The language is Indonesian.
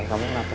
nah kamu kenapa